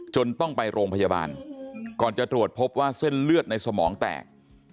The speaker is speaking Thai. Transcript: ต้องไปโรงพยาบาลก่อนจะตรวจพบว่าเส้นเลือดในสมองแตก